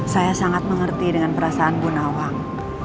saya sangat mengerti dengan perasaan bu nawang